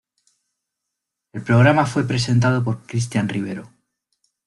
El programa fue presentado por Cristian Rivero.